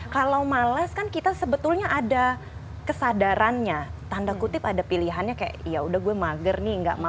kalau males kan kita sebetulnya ada kesadarannya tanda kutip ada pilihannya kayak ya udah gue mager nih gak mau